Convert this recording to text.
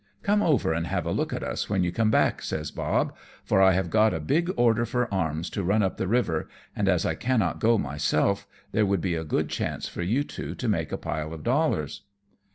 " Come over and have a look at us when you come back," says Bob, " for I have got a big order for arms to run up the river, and as I cannot go myself, there would be a good chance for you two to make a pile of dollars."